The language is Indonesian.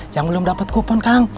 yang belum dapat kupon kang